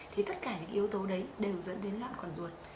thì tất cả những yếu tố đấy đều dẫn đến loạn con ruột